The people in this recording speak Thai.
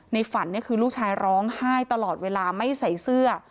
ฝันคือลูกชายร้องไห้ตลอดเวลาไม่ใส่เสื้อ